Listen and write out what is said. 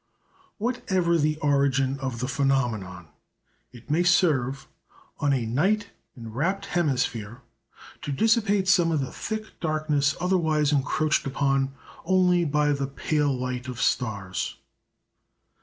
Whatever the origin of the phenomenon, it may serve, on a night enwrapt hemisphere, to dissipate some of the thick darkness otherwise encroached upon only by "the pale light of stars."